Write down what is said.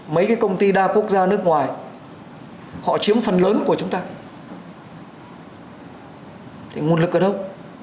mấy cái công ty đa quốc gia nước ngoài họ chiếm phần lớn của chúng ta thì nguồn lực ở đâu